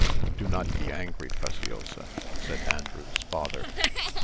"Do not be angry, Preciosa," said Andrew's father.